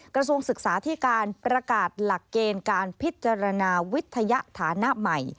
กระทรวงศึกษาที่การประกาศหลักเกณฑ์การพิจารณาวิทยาฐานะใหม่